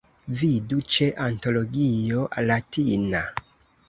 Vidu ĉe Antologio Latina.